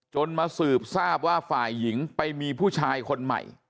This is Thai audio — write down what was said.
มาสืบทราบว่าฝ่ายหญิงไปมีผู้ชายคนใหม่